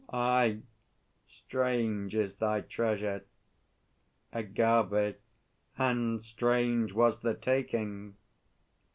Aye, strange is thy treasure! AGAVE. And strange was the taking!